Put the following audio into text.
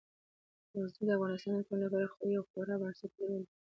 غزني د افغانستان د ټولنې لپاره یو خورا بنسټيز رول لري.